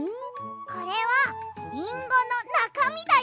これはリンゴのなかみだよ！